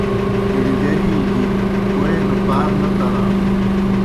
کِݨ گری گیْ کوئے گہ پار نہ ترانوْ۔